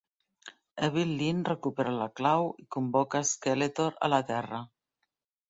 Evil-Lyn recupera la clau i convoca Skeletor a la Terra.